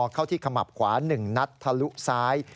เข้าที่ขมับขวา๑นัดทะลุซ้าย